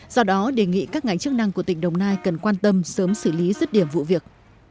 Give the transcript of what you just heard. do đó đề nghị các ngành chức năng của tỉnh đồng nai cần quan tâm sớm xử lý rứt điểm vụ việc